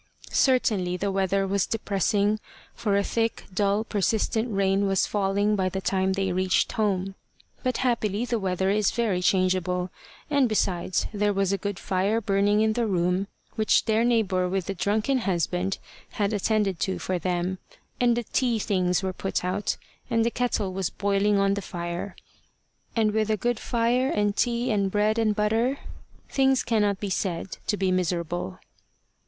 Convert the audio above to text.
Certainly the weather was depressing, for a thick, dull, persistent rain was falling by the time they reached home. But happily the weather is very changeable; and besides, there was a good fire burning in the room, which their neighbour with the drunken husband had attended to for them; and the tea things were put out, and the kettle was boiling on the fire. And with a good fire, and tea and bread and butter, things cannot be said to be miserable.